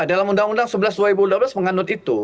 dalam undang undang sebelas dua ribu dua belas menganut itu